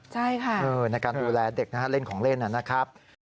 ในการดูแลเด็กเล่นของเล่นน่ะนะครับ